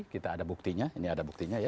kita ada buktinya ini ada buktinya ya